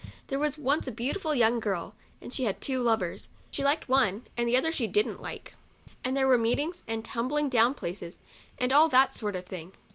There was once a beautiful young girl, and she had two lovers ; she liked one, and the other she didn't like ; and there were meetings, and tumbling down places, and all that sort of thing.